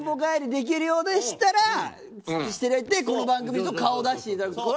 できるようでしたらこの番組に顔を出していただく。